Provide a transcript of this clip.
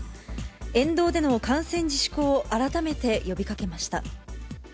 沿道での観戦自粛を改めて呼びかけました。